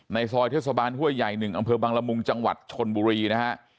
ซอยเทศบาลห้วยใหญ่๑อำเภอบังละมุงจังหวัดชนบุรีนะฮะ